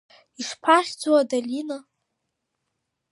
Ишԥахьӡу, адолиа…